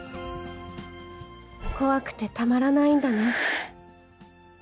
怖くてたまらないんだね。